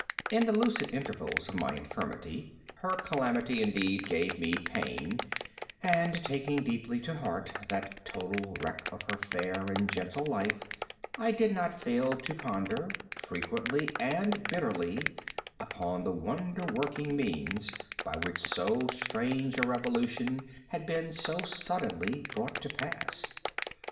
In the lucid intervals of my infirmity, her calamity, indeed, gave me pain, and, taking deeply to heart that total wreck of her fair and gentle life, I did not fail to ponder, frequently and bitterly, upon the wonder working means by which so strange a revolution had been so suddenly brought to pass.